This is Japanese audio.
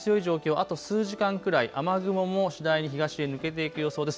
あと数時間くらい、雨雲も次第に東へ抜けていく予想です。